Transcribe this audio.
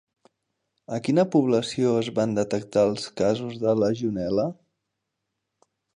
A quina població es van detectar els casos de legionel·la?